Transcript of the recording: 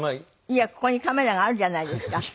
いやここにカメラがあるじゃないですか。